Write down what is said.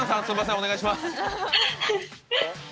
お願いします。